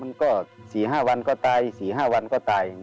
มันก็๔๕วันก็ตาย๔๕วันก็ตาย